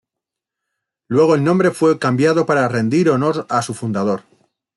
Luego el nombre fue cambiado para rendir honor a su fundador.